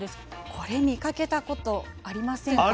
これ見かけたことありませんか？